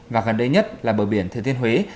và gần đây nhất là bờ biển thừa thiên huế